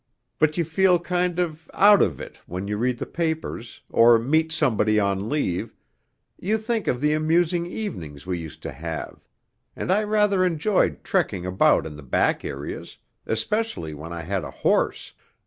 but you feel kind of "out of it" when you read the papers, or meet somebody on leave ... you think of the amusing evenings we used to have.... And I rather enjoyed "trekking" about in the back areas ... especially when I had a horse